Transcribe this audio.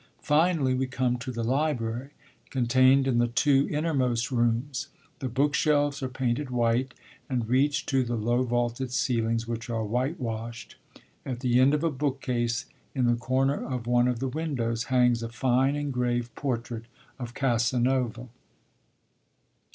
Finally, we come to the library, contained in the two innermost rooms. The book shelves are painted white, and reach to the low vaulted ceilings, which are white washed. At the end of a bookcase, in the corner of one of the windows, hangs a fine engraved portrait of Casanova.